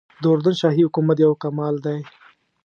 د اردن شاهي حکومت یو کمال دی.